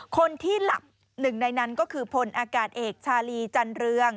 คนที่หลับหนึ่งในนั้นก็คือพลอากาศเอกชาลีจันเรือง